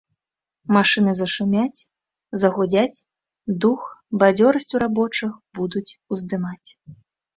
Машыны зашумяць, загудзяць, дух, бадзёрасць у рабочых будуць уздымаць.